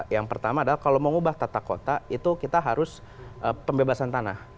yang pertama adalah kalau mengubah tata kota itu kita harus pembebasan tanah